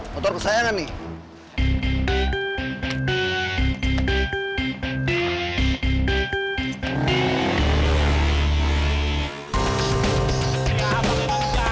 motor kesayangan nih